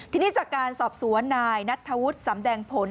ทีนี้จากการสอบสวนนายนัทธวุฒิสำแดงผล